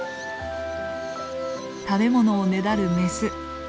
食べ物をねだるメス。